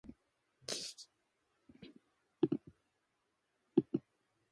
昨日きのうのことなど幻まぼろしだと思おもおう